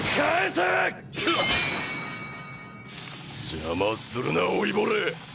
邪魔するな老いぼれ。